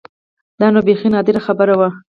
دا نو بيخي نادره خبره وه.